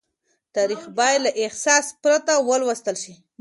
تاريخ بايد له احساس پرته ولوستل شي.